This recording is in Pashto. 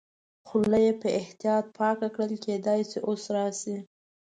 خوله یې په احتیاط پاکه کړل، کېدای شي اوس راشي.